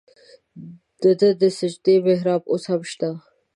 د ده د سجدې محراب اوس هم شته.